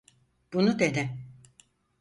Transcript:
Bunu dene.